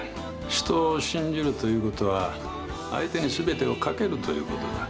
人を信じるということは相手に全てをかけるということだ。